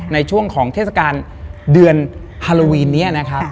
ในช่วงของเทศกาลเดือนฮาโลวีนนี้นะครับ